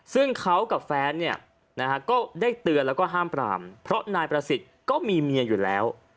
ซึ่งเขากับแฟนเนี่ยนะฮะก็ได้เตือนแล้วก็ห้ามปรามเพราะนายประสิทธิ์ก็มีเมียอยู่แล้ว